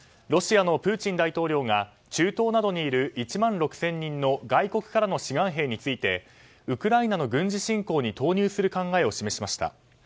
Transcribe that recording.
ロシアのプーチン大統領が中東などにいる１万６０００人の外国からの志願兵についてウクライナの軍事侵攻に投入する考えを示しました。